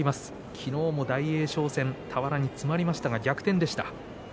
昨日、大栄翔戦俵に詰まりましたが逆転でした。